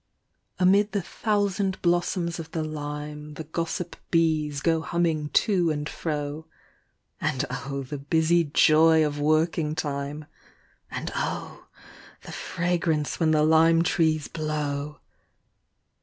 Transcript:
Amid the thousand blossoms of the lime, The gossip bees go hmmmng to and fro : And oh the busy joy of working time ! And oh the fragrance when the lime trees blow